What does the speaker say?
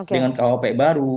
dengan kuhp baru